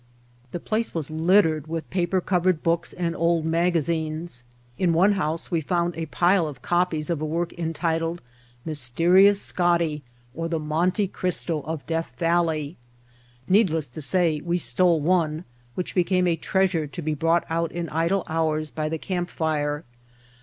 The place was littered with paper covered books and old magazines. In one house we found a pile of copies of a work entitled "Mys terious Scotty, or the Monte Cristo of Death Valley." Needless to say we stole one, which became a treasure to be brought out in idle hours by the camp fire.